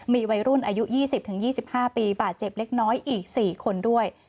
มีวัยรุ่นอายุ๒๐๒๕ปีบาดเจ็บเล็กน้อยอีก๔คนด้วย